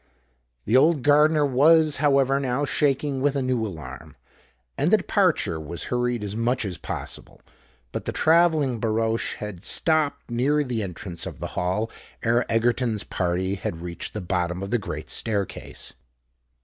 The old gardener was, however, now shaking with a new alarm; and the departure was hurried as much as possible: but the travelling barouche had stopped near the entrance of the Hall ere Egerton's party had reached the bottom of the great staircase.